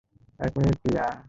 এক মিনিট, টিয়া।